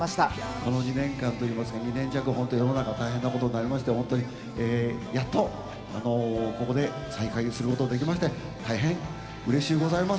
この２年間といいますか、２年弱、本当に世の中大変なことになりまして、本当にやっとここで再会することができまして、大変、うれしゅうございます。